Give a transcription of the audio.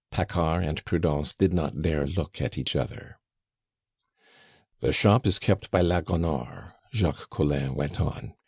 Paccard and Prudence did not dare look at each other. "The shop is kept by la Gonore," Jacques Collin went on.